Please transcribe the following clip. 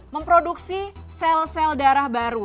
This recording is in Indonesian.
memproduksi sel sel darah baru